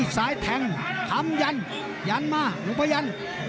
ซ้ายแทงคำยันยันมาลุงพยัน